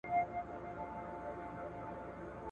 یک تنها مو تر منزله رسېده دي !.